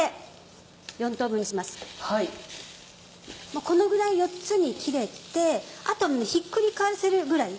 もうこのぐらい４つに切れてあとはひっくり返せるぐらい。